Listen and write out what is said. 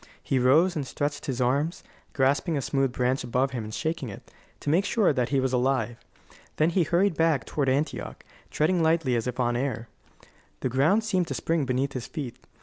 He rose and stretched his arms, grasping a smooth branch above him and shaking it, to make sure that he was alive. Then he hurried back toward Antioch, treading lightly as if on air. The ground seemed to spring beneath his feet.